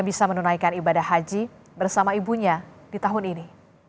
bisa menunaikan ibadah haji bersama ibunya di tahun ini